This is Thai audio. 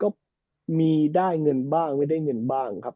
ก็มีได้เงินบ้างไม่ได้เงินบ้างครับ